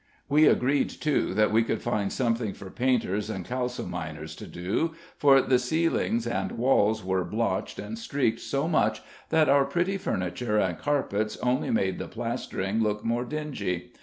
We agreed, too, that we could find something for painters and kalsominers to do, for the ceilings and walls were blotched and streaked so much that our pretty furniture and carpets only made the plastering look more dingy.